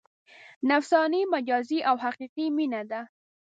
نفساني، مجازي او حقیقي مینه ده.